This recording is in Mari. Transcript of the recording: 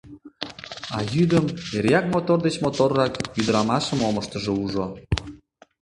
А йӱдым эреак мотор деч моторрак ӱдырамашым омыштыжо ужо.